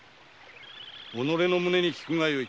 己の胸に聞くがよい。